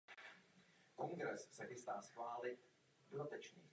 Název znamená „zajíc“.